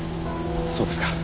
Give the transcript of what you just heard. そうですか。